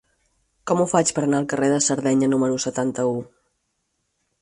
Com ho faig per anar al carrer de Sardenya número setanta-u?